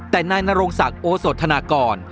แต่นายนโรงศักดิ์โอโสธนากร